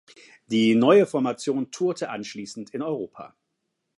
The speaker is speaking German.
Die neue Formation tourte anschließend in Europa.